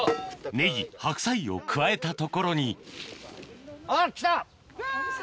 ネギ白菜を加えたところにあっ来た。